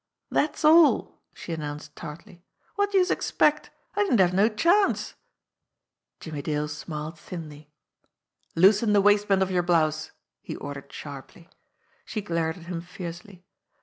"Dat's all !" she announced tartly. "Wot d'youse expect? I didn't have no chance!" Jimmie Dale smiled thinly. "Loosen the waistband of your blouse!" he ordered sharply. She glared at him fiercely.